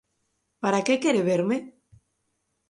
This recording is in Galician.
Para que quere verme?